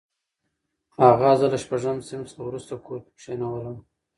اغا زه له شپږم صنف څخه وروسته کور کې کښېنولم.